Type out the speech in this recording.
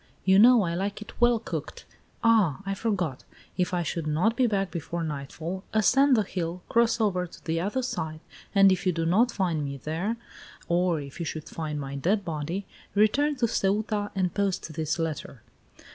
You know I like it well cooked. Ah, I forgot. If I should not be back before nightfall, ascend the hill, crossover to the other side, and if you do not find me there, or if you should find my dead body, return to Ceuta and post this letter.